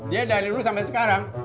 dia dari dulu sampai sekarang